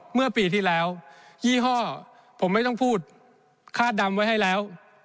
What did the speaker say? เมื่อปีที่แล้วยี่ห้อผมไม่ต้องพูดคาดดำไว้ให้แล้ว